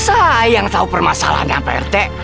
ah yang tau permasalahannya pak rt